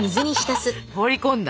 放り込んだ。